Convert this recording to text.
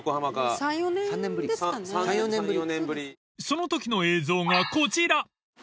［そのときの映像がこちら］